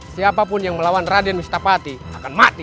siapapun yang melawan raden wistapati akan mati